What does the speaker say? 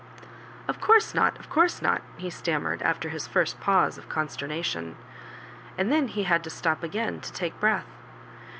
" Of course not, of course not," he stammered, after his first pause of consternation ; and then he had to stop again to take breath.